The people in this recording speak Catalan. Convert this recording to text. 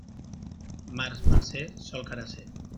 Març marcer, sol carasser.